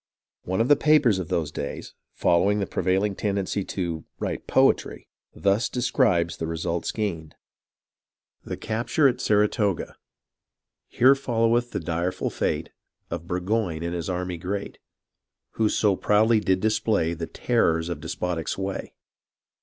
One of the papers of those days, following the prevail ing tendency to write " poetry," thus describes the results gained :— THE CAPTURE AT SARATOGA Here followeth the direful fate Of Burgoyne and his army great, Who so proudly did display The terrors of despotic sway.